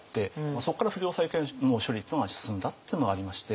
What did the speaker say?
そっから不良債権の処理っていうのが進んだっていうのがありまして。